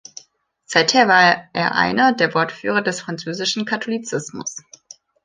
Seither war er einer der Wortführer des französischen Katholizismus.